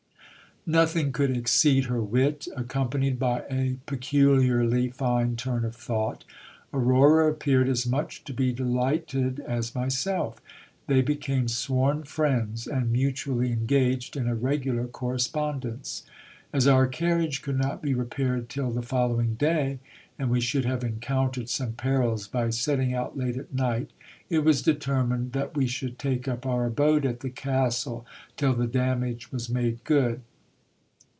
No thing could exceed her wit, accompanied by a peculiarly fine turn of thought. Aurora appeared as much to be delighted as myself. They became sworn friends, and mutually engaged in a regular correspondence. As our carriage could not be repaired till the following day, and we should have encountered some perils by setting out late at night, it was determined that we should take up our abode at the castle till the damage was made good.